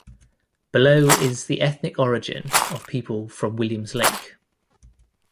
Below is the ethnic origin of people from Williams Lake.